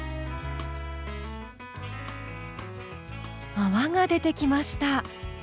泡が出てきました。